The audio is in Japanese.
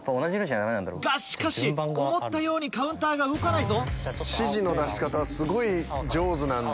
がしかし思ったようにカウンターが動かないぞ。